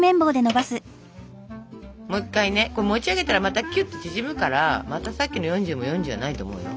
もう一回ねこれ持ち上げたらまたきゅっと縮むからまたさっきの４０も４０じゃないと思うよ。